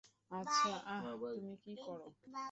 আর, আহ, তুমি কি করো?